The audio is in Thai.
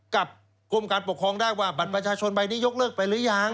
กรมการปกครองได้ว่าบัตรประชาชนใบนี้ยกเลิกไปหรือยัง